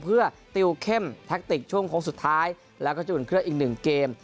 เพื่อติวเข้มแท็กติกช่วงโค้งสุดท้ายแล้วก็จะอุ่นเครื่องอีกหนึ่งเกม